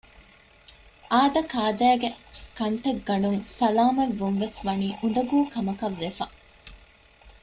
އާދަކާދައިގެ ކަންތައްގަނޑުން ސަލާމަތްވުންވެސް ވަނީ އުނދަގޫ ކަމަކަށް ވެފަ